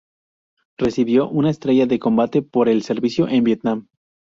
Recibió una estrella de combate por el servicio en Vietnam.